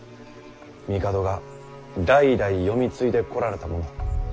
帝が代々詠み継いでこられたもの。